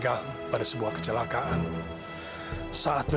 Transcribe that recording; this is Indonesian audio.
waktu kedua orang tua kamu